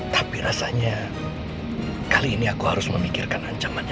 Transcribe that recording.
mobil panggilan mau gue lakuin di bangunan